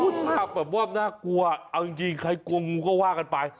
ภาพแบบว่าน่ากลัวเอาจริงใครกลัวงูก็ว่ากันไป